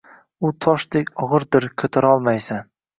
U toshdek og’irdir… Ko’tarolmaysan.